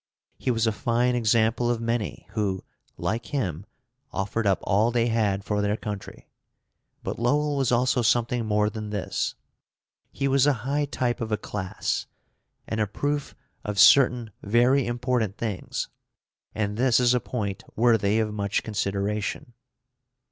He was a fine example of many who, like him, offered up all they had for their country. But Lowell was also something more than this. He was a high type of a class, and a proof of certain very important things, and this is a point worthy of much consideration.